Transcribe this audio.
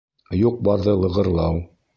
— Юҡ-барҙы лығырлау.